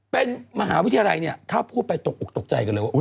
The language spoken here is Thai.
เป็นมหาวิทยาลัยเนี่ยถ้าพูดไปตกอกตกใจกันเลยว่า